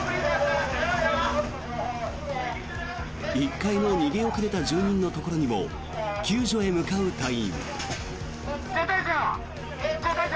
１階の逃げ遅れた住人のところにも救助に向かう隊員。